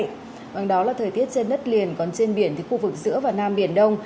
đó là thời tiết trên đất liền còn trên biển thì khu vực giữa và nam biển đông